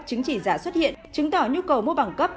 chứng chỉ giả xuất hiện chứng tỏ nhu cầu mua bằng cấp